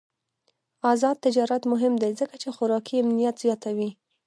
آزاد تجارت مهم دی ځکه چې خوراکي امنیت زیاتوي.